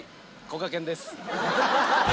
こがけんです。